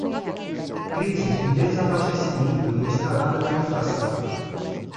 Crise de desabastecimento e escalada da inflação